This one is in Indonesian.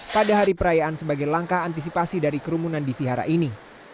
pada hari perayaan sebagai langkah antisipasi dari kerumunan di vihara ini